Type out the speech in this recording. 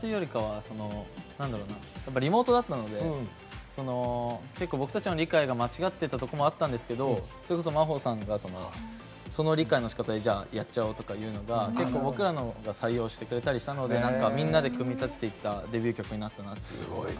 リモートだったので結構僕たちの理解も間違ってたとこだったんですけどそれこそ真帆さんがその理解のしかたでやっちゃおうっていうのが結構、僕らのを採用してくれたのでみんなで組み立てていったデビュー曲になったなって。